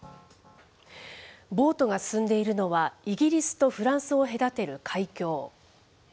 ボートが進んでいるのは、イギリスとフランスを隔てる海峡。